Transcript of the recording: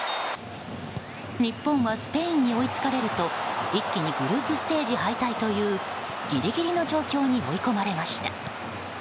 日本はスペインに追いつかれると一気にグループステージ敗退というギリギリの状況に追い込まれました。